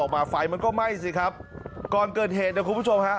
ไฟมันก็ไหม้สิครับก่อนเกิดเหตุเนี่ยคุณผู้ชมฮะ